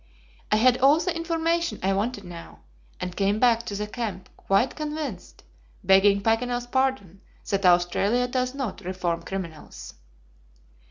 "I had all the information I wanted now, and came back to the camp quite convinced, begging Paganel's pardon, that Australia does not reform criminals."